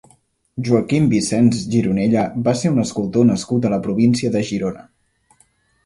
Joaquim Vicens Gironella va ser un escultor nascut a la província de Girona.